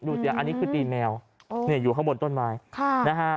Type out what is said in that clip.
เสียอันนี้คือตีแมวอยู่ข้างบนต้นไม้ค่ะนะฮะ